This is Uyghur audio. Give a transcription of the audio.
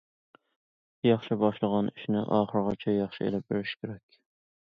ياخشى باشلىغان ئىشنى ئاخىرىغىچە ياخشى ئېلىپ بېرىش كېرەك.